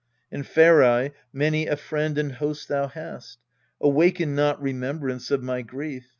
, In Pherse many a friend and host thou^hast. Awaken not remembrance of my grief.